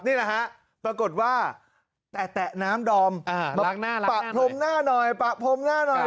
นี่แหละฮะปรากฏว่าแตะน้ำดอมปะพรมหน้าหน่อยปะพรมหน้าหน่อย